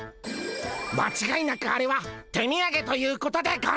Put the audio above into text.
まちがいなくあれは手みやげということでゴンス！